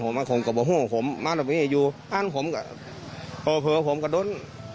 ผมมาคงกระโป้ห้วงผมมาตรงนี้อยู่อ้านผมกะเผื่อผมกระดน